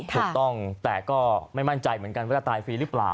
ถูกต้องแต่ก็ไม่มั่นใจเหมือนกันว่าจะตายฟรีหรือเปล่า